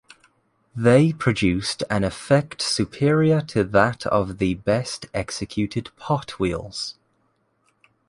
They produced an effect superior to that of the best executed pot wheels.